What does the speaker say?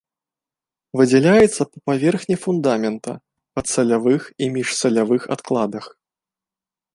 Выдзяляецца па паверхні фундамента, падсалявых і міжсалявых адкладах.